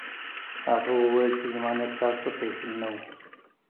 هغه وویل چې زما نیت تاسو ته توهین نه و